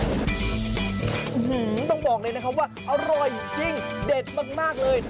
ต้องบอกเลยนะครับว่าอร่อยจริงเด็ดมากเลย